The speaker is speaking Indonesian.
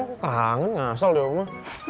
aku kangen ngasel deh ma